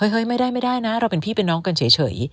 เฮ้ยไม่ได้ไม่ได้นะเราเป็นพี่เป็นน้องกันเฉย